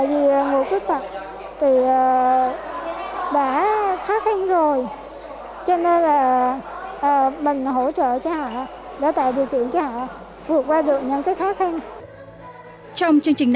đặc sắc do chính những người khuyết tật thể hiện và chia sẻ với cộng đồng